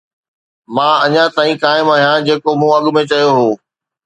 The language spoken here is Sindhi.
مان اڃا تائين قائم آهيان جيڪو مون اڳ ۾ چيو هو